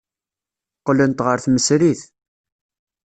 Qqlent ɣer tmesrit.